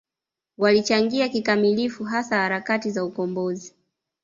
Walichangia kikamilifu hasa harakati za ukombozi